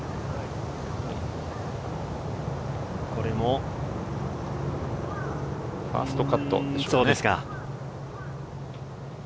これもファーストカットですね。